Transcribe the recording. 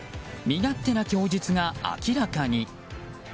身勝手な供述が明らかに。